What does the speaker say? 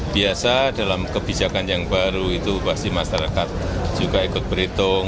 biasa dalam kebijakan yang baru itu pasti masyarakat juga ikut berhitung